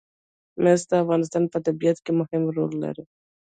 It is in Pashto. مس د افغانستان په طبیعت کې مهم رول لري.